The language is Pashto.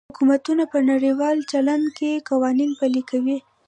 حکومتونه په نړیوال چلند کې قوانین پلي کوي